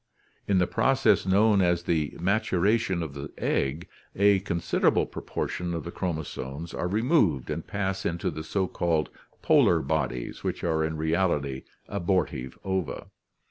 In the process known as the maturation of the egg, a considerable proportion of the chromosomes are removed and pass into the so called polar bodies which are in reality abortive ova.